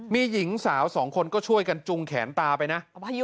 มีหญิงสาวสองคนก็ช่วยกันจุงแขนตาไปนะ